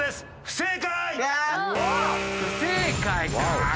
不正解か。